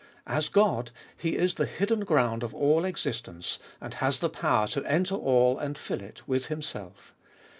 As God, He is the hidden ground of all existence, and has the power to enter all and fill it with Himself.